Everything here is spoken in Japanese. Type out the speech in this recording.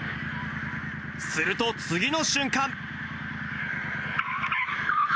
すると次の瞬間。